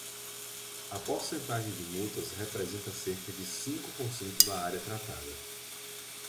A porcentagem de multas representa cerca de cinco por cento da área tratada.